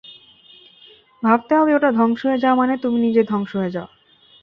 ভাবতে হবে, ওটা ধ্বংস হয়ে যাওয়া মানে তুমি নিজেই ধ্বংস হয়ে যাওয়া।